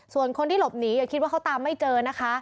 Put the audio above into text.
ส่วนคนที่หลบหนีอย่าคิดว่าเขาตามไม่เจอนะคะ